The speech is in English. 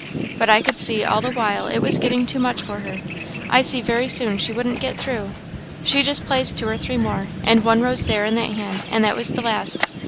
But I could see all the while it was getting too much for her; I see very soon she wouldn't get through; she just placed two or three more, and one rose there in that hand, and that was the last.